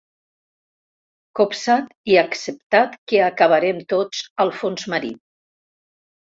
Copsat i acceptat que acabarem tots al fons marí.